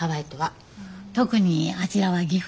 特にあちらは岐阜だしね。